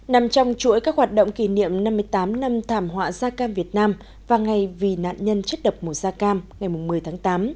nằm trong chuỗi các hoạt động kỷ niệm năm mươi tám năm thảm họa da cam việt nam và ngày vì nạn nhân chất độc mùa da cam ngày một mươi tháng tám